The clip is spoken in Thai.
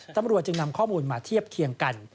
ตำรวจจึงนำข้อมูลมาเทียบเคียงกัน